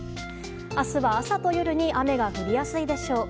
明日は、朝と夜に雨が降りやすいでしょう。